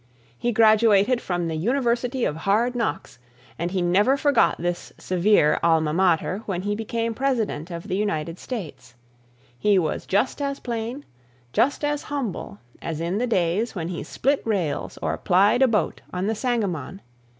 He graduated from the University of Hard Knocks, and he never forgot this severe Alma Mater when he became President of the United States. He was just as plain, I just as humble, as in the days when he split rails or plied a boat on the Sangamon.